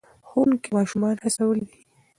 ښوونکي ماشومان هڅولي دي.